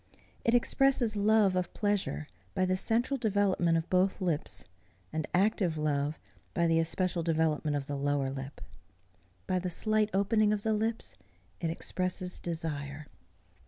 It expresses love of pleasure by the central development of both lips, and active love by the especial development of the lower lip. By the slight opening of the lips, it expresses desire.